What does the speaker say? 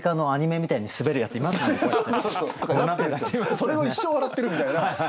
それを一生笑ってるみたいな。